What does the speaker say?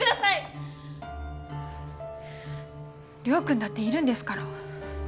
亮君だっているんですから。